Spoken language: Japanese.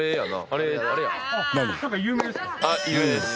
有名ですか？